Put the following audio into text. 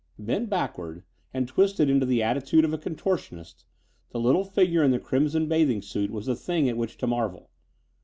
Bent backward and twisted into the attitude of a contortionist, the little figure in the crimson bathing suit was a thing at which to marvel.